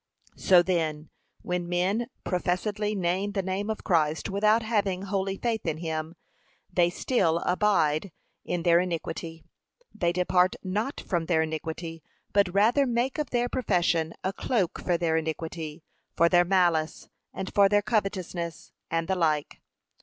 So then, when men professedly name the name of Christ without having holy faith in him, they still abide by their iniquity; they depart not from their iniquity, but rather make of their profession a cloak for their iniquity, for their malice, and for their covetousness, and the like.